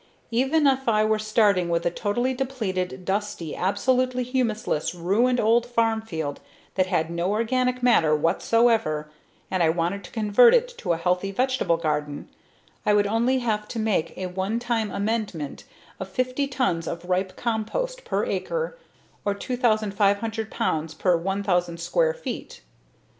Even if I were starting with a totally depleted, dusty, absolutely humusless, ruined old farm field that had no organic matter whatsoever and I wanted to convert it to a healthy vegetable garden, I would only have to make a one time amendment of 50 tons of ripe compost per acre or 2,500 pounds per 1,000 square feet.